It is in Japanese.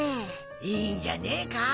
いいんじゃねえか！